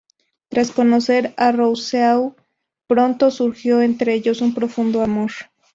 Tras conocer a Rousseau, pronto surgió entre ellos un profundo amor.